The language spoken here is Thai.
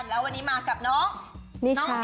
แล้ววันนี้มากับน้อง